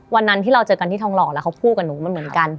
วันนั้นที่เราเจอกันที่ทองหล่อแล้วเขาพูดกับหนูมันเหมือนกัน